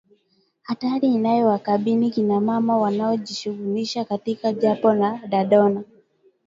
Hatari inayowakabili kina mama wanaojishughulisha katika dampo la Dandora